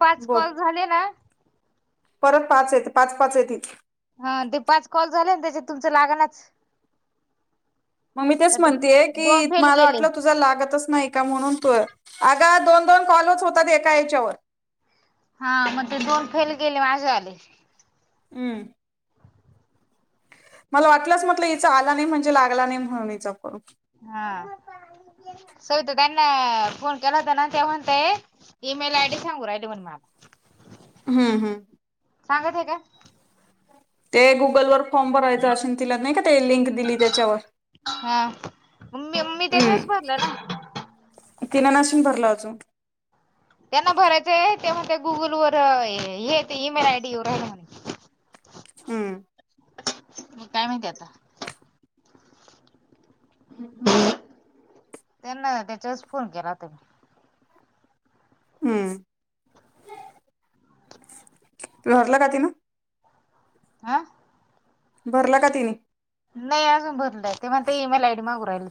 पाच बोल कॉल झाले ना! परत पाच येत पाच पाच येतील. हा ते पाच कॉल झाले ना त्याच्यात तुमचं लागनाच. मग मी तेच आता म्हणतेय दोन की फेल मला गेले वाटलं तुझा लागतच नाही का म्हणून तू अग दोन दोन. कॉलच होतात एका याच्यावर हा मग ते दोन फेल गेले माझेवाले. हम्म मला वाटलंच म्हटल हिचा आला नाही म्हणजे लागला नाही म्हणून हिचा फोन. हा सविता ताईंना फोन केला न तेव्हा म्हणतोय ईमेल आय डी सांगू रहायलोय. हम्म हम्म सांगत हे का. ते गुगलवर फॉर्म भरायचं अशिल तिला नाही का ते लिंक दिली त्याच्यावर हा मी मी त्याच्याच हम्म भरलं ना तिनं नसल भरला अजून. त्यांना भरायचंय तेव्हा ते गुगल वर हे येत ईमेल आय डी येऊन राहील म्हणे. [inaudible] हम्म म काय माहिती आता. त्यांना तेचाच फोन केला होता. हम्म भरलं का तिन? आ भरला का तिनी? नाही अजून भरलंय ते म्हणत ईमेल आय डी मागू राहिल.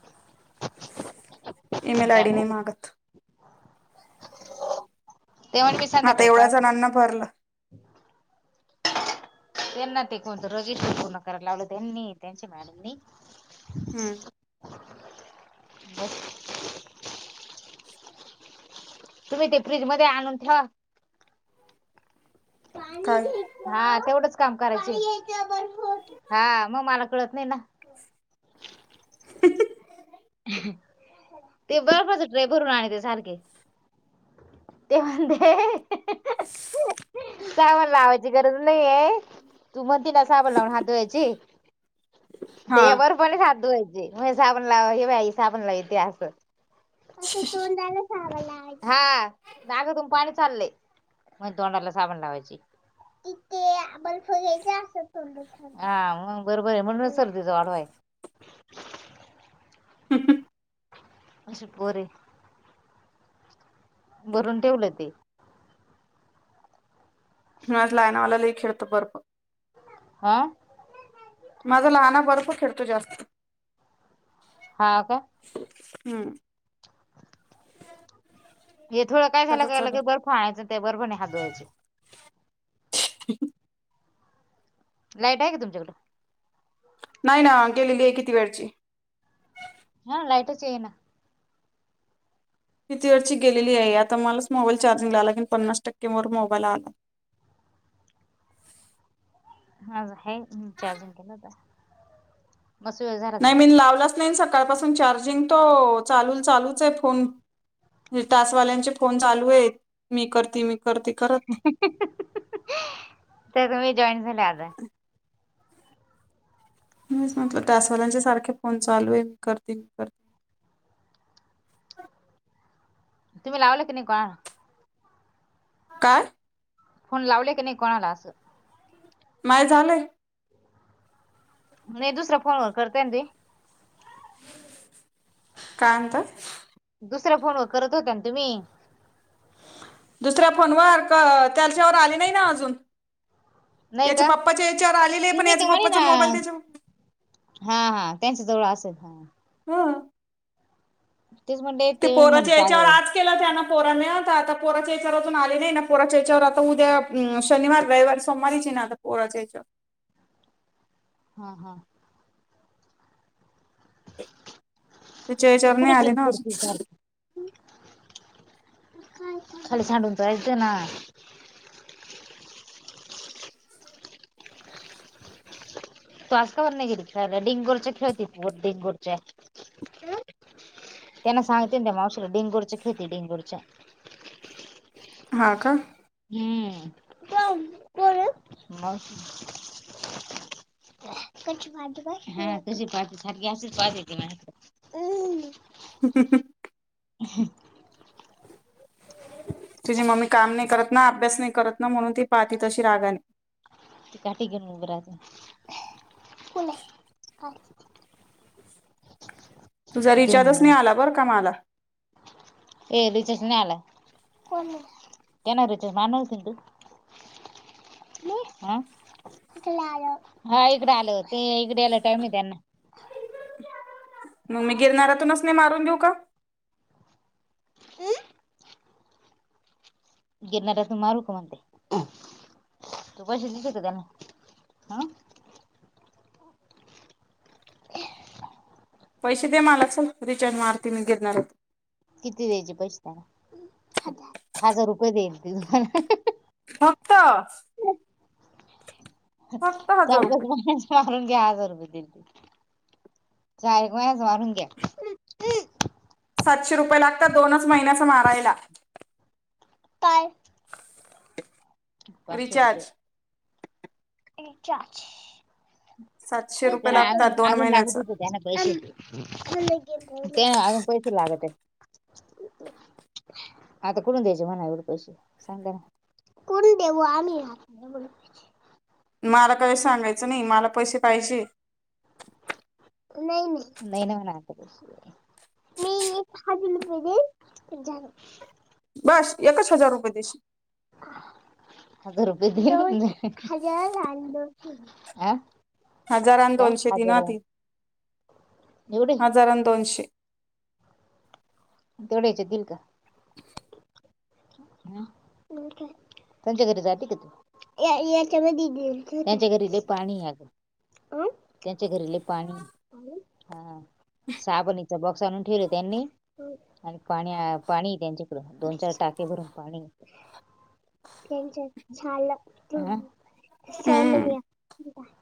ईमेल आय डी नाही मागत. ते म्हणे मी आता संध्याकाळी एवढ्या पाहते जणांन भरला. त्यांना ते कोणत रजिस्टर पूर्ण करायला लावलं त्यांनी त्यांच्या मॅडम नी हम्म [inaudible] तुम्ही ते फ्रीज मध्ये आणून ठेवा. पाणी काय घेतलं हा तेवढंच. काम कराचय हा मग मला कळत नाही ना. [inaudible] ते बर्फाचा ट्रे भरून आणाते सारखे. ते म्हणते [inaudible] साबण लावायची गरज नाहीये, तू म्हणती न साबण लावून हात धुवायची. हा ते या बर्फानीच हात धुवायचे म हे साबणलावा [unintelligible] हे बाई साबणलाव यतेे असं. आता तोंडाला साबण लावायचं हा नाकातून पाणी चाललंय. म तोंडाला साबण लावायची. इथे बर्फ घ्यायचा [unintelligible] हा बरोबर आहे म्हणूनच सर्दीचा वाढवा आहे. [inaudible] अशी होरे. भरून ठेवलं ते. माझं लाहनावाल लई खेळतो बर्फ. आ माझा लहाना बर्फ खेळतो जास्त. हवं का? हम्म हे थोडं काय झालं त्याचा का चालू लगेच बर्फ आणायचा ते बर्फ नी हात धुवायचे. [inaudible] लाईट आहे का तुमच्याकडं? नाही ना गेलेली आहे किती वेळची. हा लाईटच येईना. किती वेळची गेलेली आहे आता मलाच मोबाईल चार्जिंग ला ला लागिन पन्नास टक्केवर मोबाईल आला. [inaudible] माझा हाय मी चार्जिंग केला होता. मस्त वेळ झाला तो नाही मी न लावलाच नाही सकाळपासून चार्जिंग तो चालूल चालूच आहे फोन. टास्क वाल्यांचे फोन चालू आहेत मी करते मी करते करत [inaudible] तर तुम्ही जॉईन झाल्या आज मीच म्हटलं टास्क वाल्यांचे सारखे फोन चालूये मी करते मी कर [inaudible] तुम्ही लावलं की नाही कोणाला? काय? फोन लावले की नाही कोणाला? असं माय झालंय नाही दुसऱ्या फोनवर करतेय ना त [inaudible] कायं म्हणताय? दुसऱ्या फोनवर करत होत्या ना तुम्ही [unintelligible] दुसऱ्या फोनवर त्याच्यावर आले नाही ना अजून [inaudible] नाही याच्या का? पप्पाच्या याच्यावर आलेले आहे पण तुम्ही ते याचा म्हणे पप्पाचा मोबाईल ना त्याच्यावर [inaudible] हा हा त्यांच्या जवळ असेल हा हम तेच म्हणले [inaudible] ते म्हणे पोराच्या पा याच्यावर आज केला त्यानं पोरा मिळता आता पोराच्याच्यावरून आले नाही ना पोराच्याच्यावर आता उद्या शनिवारी, रविवार, सोमवारी नाता पोराच्या ह्याच्या हा हा तिच्या [inaudible] तू याच्यावर कुठ नाही आले घेउन ना फिरती अजून सारख [inaudible] [inaudible] खाली सांडून जायचं ना [inaudible] [inaudible] तु आज का बरं नाही गेली खेळायला नाही [unintelligible] खेळती डिंगवरच्या [inaudible] त्यांना सांगते त्या मावशीला डेंगूरच्या खेळती डेंगूरच्या [inaudible] हा का? हम् [unintelligible] मग [inaudible] काशी पाहते पाय हा तशी पाहते सारखी अशी पाहते [inaudible] ती माझ्या कडे हम्म हम् हम् हम् हंम [inaudible] तुझी मम्मी काम नाही करत ना अभ्यास नाही करत ना म्हणून ती पाहती तशी रागाने. ती काठी घेऊन उभी राहाते [inaudible] कुठे आहे काठी तुझा रिचार्जच नाही आला बरं का मला? ए रिचार्जच नाही आला कोण आहे त्यांना रिचार्ज मारणार होती ना तु [unintelligible] हा [unintelligible] इकडे आला टाईम नाही त्यांना मग मी गिरनाऱातूनच नाही मारून घेऊ का? हम गिरनार असंन मारू काय मारु काय म्हणते? तू पैसे दिले का त्यांना [inaudible] हा पैसे दे मला चल रिचार्ज र्न मारते गिरणारात न किती द्यायचे पैसे त्याला हजार रुपये देईलुला हं हं फक्त.. [inaudible] चार फक्त हजार पाच रुपये महिने चे मार करून घ्या हजार रुपये दिले ती [unintelligible] मारून घ्या [inaudible] सातशे रुपये लागतात दोनच महिन्याचा मारायला. [unintelligible] [inaudible] पाचशे रुपये रिचार्ज रिचार्ज सातशे [inaudible] रुपये त्याला लागतात अजून दोन अजून महिन्याचं लागतच होते ना पैसे ते अजून पैसे लागते आता कूटूनन द्यायचे म्हण एवढे पैसे? सांग त्यला कोण देऊ आम्ही मला काही सांगायचं नाही, मला पैसे पाहिजे. नाही-नाही. नाही ना म्हणा आता पैसे मी हजल रूपे दिन म झालं. बस एकच हजार रुपय देशील? हजार रुपय दि हजार आणि दोनशे दिना ती. एवढे हजारां अन दोनशे. तेवढ्याच्यात इल का? बोल कि त्यांच्या घरी जाती का तू? त्यानच्या घरी लय पाणी ए अगं त्यांच्या घरी लेय पाणी. हा हा. साबणीच बॉक्स आणून ठेवलं त्यांनी आणि पाणी- पाणी त्यांच्याकडं दोन-चार टाक ग भून पाणी ये. त्यांचं झालं. हम्म सौळलया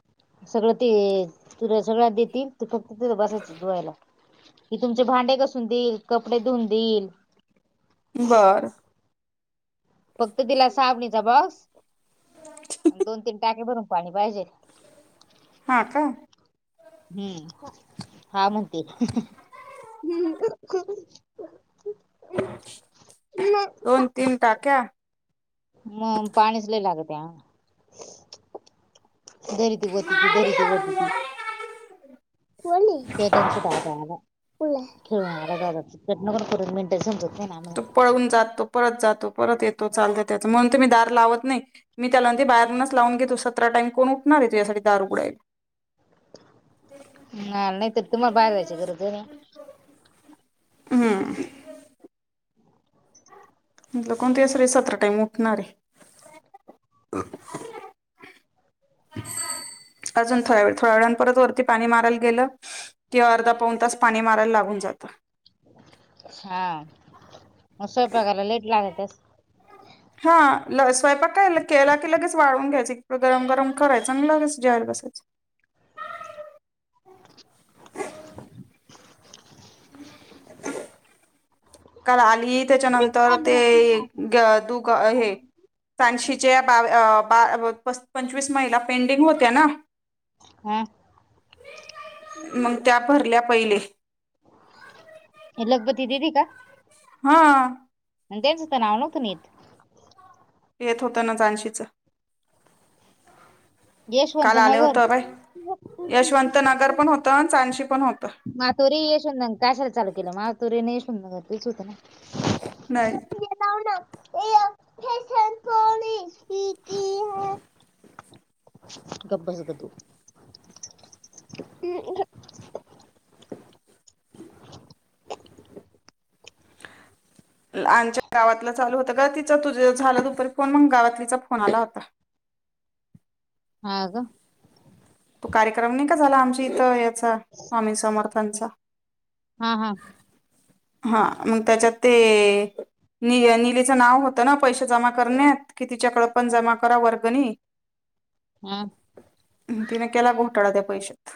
[inaudible] सगळं ते तु सगळ्या देती ते तुला फक्त बसायच जेवायला कि तुमचे भांडे कसून देईल, कपडे धुऊन देईल बर फक्त तिला साबणीचा बॉक्स दोन-तीन टाके भरून पाणी पाहिजे हा का? हम्म हा म्हनती. दोन तीन टाक्या? मग पाणीच लय लागते आम धरी ती वतीती धरी ती वतीती त्यो त्यांचा दादा आलाय. खेळून आला दादा कर मीेनन [inaudible] तो पळून जाततो पळत जात तो परत येतो चालतय त्याच म्हूनन तर मी दार लावत नइ. मी त्याला जे बाहेरूनच लावून घेतो सतरा टाईम कोण उ णारय तुझ्यासाठी दार उघडाय ह नाही तर तुम्हा बाहेर जायचं गरज नई हम म्हटलं कोणत्या सळी सतरा टाईम उठणारये [unintelligible] [unintelligible] अजून थोड्या वेळ, थोड्या वेळानं परत वरती पाणी मारायला गेलं किं अर्धा-पाऊन तास पाणी मारायला लागून जातं. हा मग स्वयपाकाला लेट लागत अस [inaudible] हा ल स्वयंपाक काय ल केला की लगेच वाळून घ्यायचं. इकं गरम-गरम करायचं न लगेच जेवाय असच [unintelligible] [unintelligible] काल [inaudible] त्याच्यानंतर ते गं दुका ये-हे फॅन्सी चे बा-अ बा-अ पंचवीस महिला पेंडिंग होत्या ना हा मग त्या भरल्या पहिले. एलग बती देदी का? हा. आण त्यांच तर नाव नव्हतं ना येत. येत होतं ना जानशीच. काल यशवंत आल्या नगर होत्या बाई यशवंत नगर पण होत न चांशी पण हो मातोरी येशोंग कशाला चालू केलं मातोरीे अनं यशवंत नगर तेच होत ना. नाही. ये या फॅशन पो इ कि ती या. गप बस ग तू. [inaudible] आमच्या गावातलाच चालू होत गं तिच तुझ झालं तोपर्यंत फोन मग गावातलीचा फोन आला होता. हा का? तो कार्यक्रम नाही का झाला आमच्या इथं याचा स्वामी समर्थांचा. हा हा. हा मग त्याच्यात ते नि निलीचं नाव होतं ना, पैसे जमा करण्यात कि तिच्याकडं पण जमा करा वर्गणी. हम्म. तिने केला घोटाळा त्या पैशात.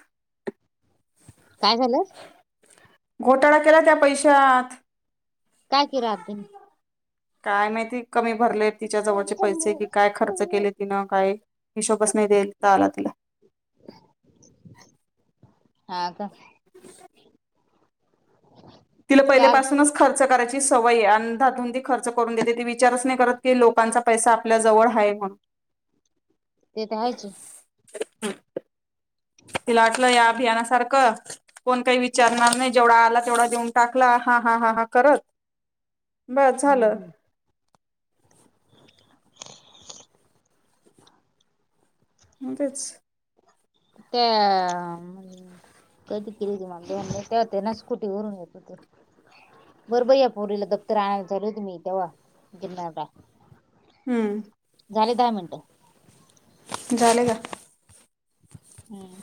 काय झालं? घोटाळा केला त्या पैश्यात. काय केलं आरतीने? काय माहिती कमी भरले. तिच्या जवळचे पैसे कि काय खर्च केले तिनं काय हिशोबच नाही देता आला तिला. हा का. [inaudible] तिला काल पहिल्यापासूनच खर् र्च करायची सवय अंदा धुंदी ती खर्च करून देते ती विचारच नाही करत की, लोकांचा पैसा आपल्या जवळ हाय हो. ते तर हायचे. हम्म. तिला वाटला या अभियाना सारखं कोण काही विचारणार नाही जेवढा आला तेवढा देऊन टाकला हा हा हा हा करत. [inaudible] बस झालं. हा. [inaudible] म तेच त्या आ अम म कधी केली ते मला ध्यान नाई तेव्हा त्यां ना स्कुटी वरून येत होते. बर बाई या पोरीला मी दप्तर आणायला चालले होते मी तेव्हा गिन्नारला. हम्म. झाले दहा मिनटं. झाले का? हम्म.